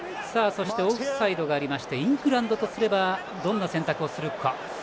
そしてオフサイドがあってイングランドとすればどんな選択をするか。